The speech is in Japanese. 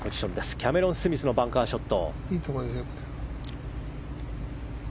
キャメロン・スミスのバンカーショット。